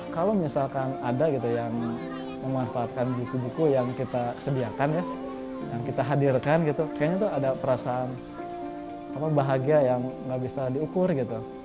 kalau misalkan ada gitu yang memanfaatkan buku buku yang kita sediakan ya yang kita hadirkan gitu kayaknya tuh ada perasaan bahagia yang nggak bisa diukur gitu